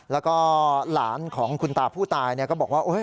แล้วก็หลานของคุณตาผู้ตายก็บอกว่า